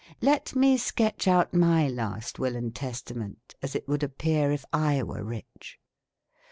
Let me sketch out my last Will and Testament, as it would appear if I were rich.